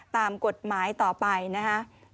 ตามกฎหมายต่อไปนะคะ